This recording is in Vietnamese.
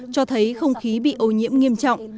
cho thấy không khí bị ô nhiễm nghiêm trọng